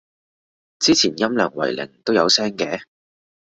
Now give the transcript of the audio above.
之前音量為零都有聲嘅